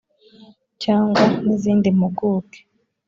cyangwa n izindi mpuguke